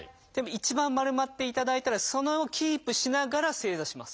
一番丸まっていただいたらそれをキープしながら正座します。